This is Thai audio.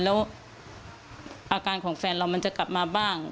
แล้วอาการของแฟนเรามันจะกลับมาบ้าง